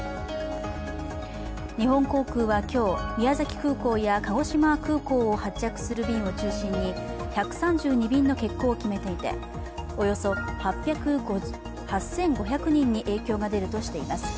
日本航空は今日、宮崎空港や鹿児島空港を発着する便を中心に１３２便の欠航を決めていておよそ８５００人に影響が出るとしています。